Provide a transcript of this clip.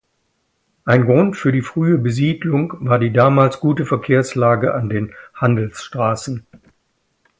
Ein Grund für die frühe Besiedlung war die damals gute Verkehrslage an den Handelsstraßen.